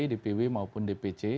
dppw maupun dpc